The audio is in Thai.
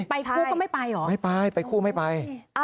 ไปคู่ก็ไม่ไปเหรอไม่ไปไปคู่ไม่ไป